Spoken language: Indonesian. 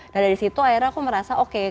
nah dari situ akhirnya aku merasa oke